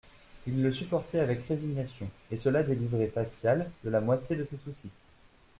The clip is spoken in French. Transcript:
Il le supportait avec résignation, et cela délivrait Facial de la moitié de ses soucis.